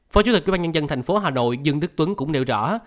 phó chủ tịch ubnd tp hà nội dương đức tuấn cũng nêu rõ